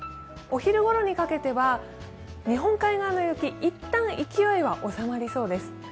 お昼ごろにかけては日本海側の雪、いったん勢いは収まりそうです。